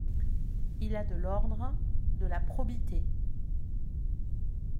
Il a de l’ordre, de la probité.